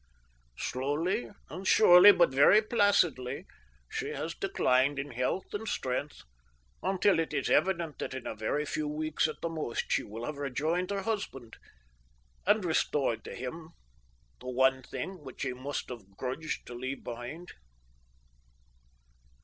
Slowly and surely, but very placidly, she has declined in health and strength, until it is evident that in a very few weeks at the most she will have rejoined her husband and restored to him the one thing which he must have grudged to leave behind.